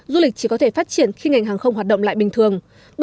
du lịch chỉ có thể phát triển khi ngành hàng không hoạt động lại bình thường